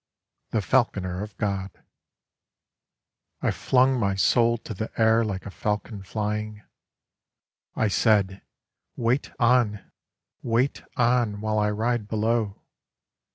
The Falconer of God By William Rose Benét I FLUNG my soul to the air like a falcon flying.I said, "Wait on, wait on, while I ride below!